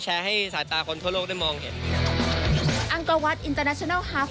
แชร์ให้สาธารณ์คนทั่วโลกได้มองเห็นอังกฎวัตรอินเตอร์นาชนัลฮาร์ฟ